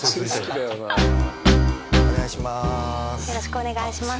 お願いしまーす。